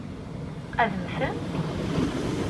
Ad mmten?